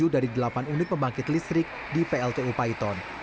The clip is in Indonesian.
tujuh dari delapan unit pembangkit listrik di pltu paiton